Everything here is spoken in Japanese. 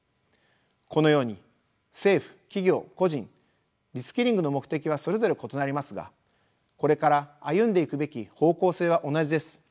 このように政府・企業・個人リスキリングの目的はそれぞれ異なりますがこれから歩んでいくべき方向性は同じです。